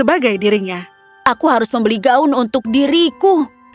aku harus membeli gaun untuk diriku